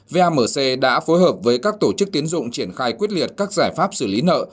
vamc đã phối hợp với các tổ chức tiến dụng triển khai quyết liệt các giải pháp xử lý nợ